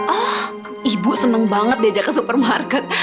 ah ibu seneng banget diajak ke supermarket